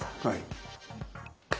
はい。